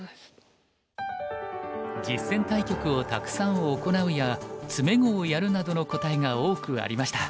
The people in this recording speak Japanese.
「実戦対局をたくさん行う」や「詰碁をやる」などの答えが多くありました。